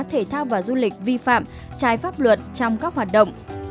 thể thao và du lịch vi phạm trái pháp luật trong các hoạt động